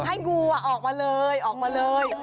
ให้งูออกมาเลยออกมาเลย